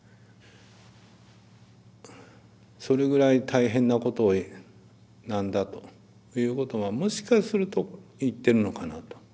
それぐらい大変なことなんだということをもしかすると言ってるのかなと。